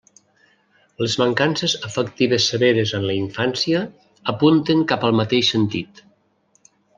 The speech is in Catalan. Les mancances afectives severes en la infància apunten cap al mateix sentit.